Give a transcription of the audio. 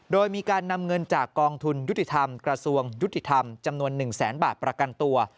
โดยมีการนำเงินจากกองทุนยุติธรรมกระทรวงยุติธรรมจำนวน๑แสนบาทประกันตัว